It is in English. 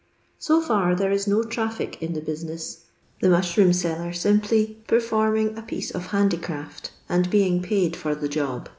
So fitf tnero is no traffic in the business, the mushroom fiJcer simply performing a piece of handicraft and being paid for the job.